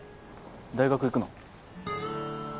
大学行くの？